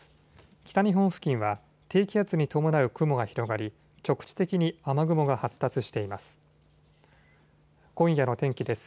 北日本付近は低気圧に伴う雲が広がり局地的に雨雲が発達しています。